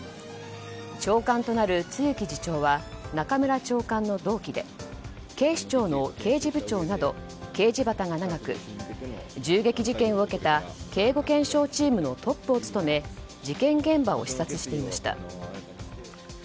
長官となる露木次長は中村長官の同期で警視庁の刑事部長など刑事畑が長く銃撃事件を受けた警護検証チームのトップを務め事件現場を視察していました。